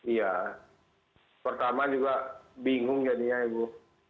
iya pertama juga bingung jadinya ibu